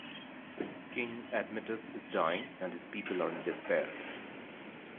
King Admetus is dying, and his people are in despair.